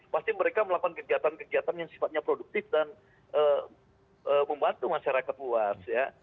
pasti mereka melakukan kegiatan kegiatan yang sifatnya produktif dan membantu masyarakat luas ya